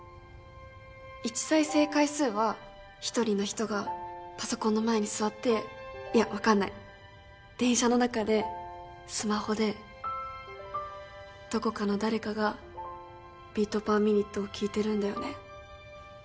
１再生回数は１人の人がパソコンの前に座っていや分かんない電車の中でスマホでどこかの誰かがビート・パー・ミニットを聴いてるんだよね